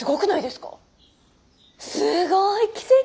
すごい！奇跡！